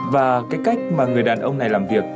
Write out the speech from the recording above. và cái cách mà người đàn ông này làm